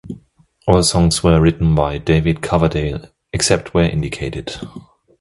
All songs were written by David Coverdale, except where indicated.